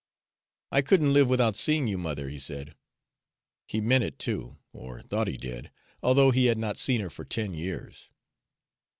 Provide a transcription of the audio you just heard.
"I couldn't live without seeing you, mother," he said. He meant it, too, or thought he did, although he had not seen her for ten years.